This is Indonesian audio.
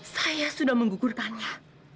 saya sudah menggugurkannya